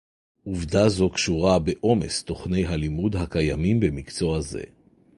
עובדה זו קשורה בעומס תוכני הלימוד הקיימים במקצוע זה